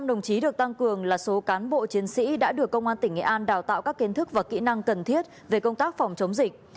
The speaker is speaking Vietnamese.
năm đồng chí được tăng cường là số cán bộ chiến sĩ đã được công an tỉnh nghệ an đào tạo các kiến thức và kỹ năng cần thiết về công tác phòng chống dịch